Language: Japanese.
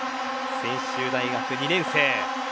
専修大学２年生。